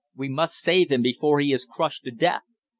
We must save him before he is crushed to death!"